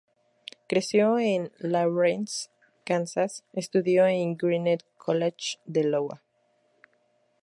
Creció en Lawrence, Kansas, estudió en Grinnell College de Iowa.